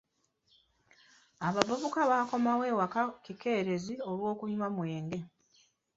Abavubuka bakomawo ewaka kikeerezi olw'okunywa mwenge.